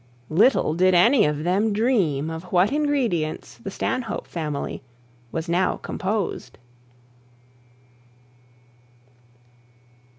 Little did any of them dream of what ingredients the Stanhope family was now composed.